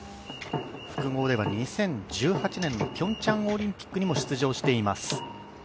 複合では２０１８年のピョンチャンオリンピックにも出場しています。